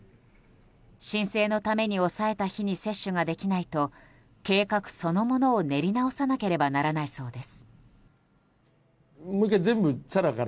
申請のために押さえた日に接種ができないと計画そのものを練り直さなければならないそうです。